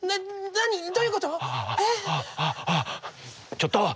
ちょっと！